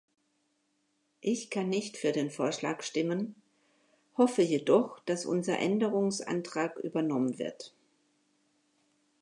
Ich kann nicht für den Vorschlag stimmen, hoffe jedoch, dass unser Änderungsantrag übernommen wird.